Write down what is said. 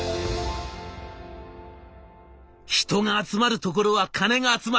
「人が集まる所は金が集まる。